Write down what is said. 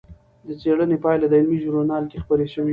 د څېړنې پایلې د علمي ژورنال کې خپرې شوې.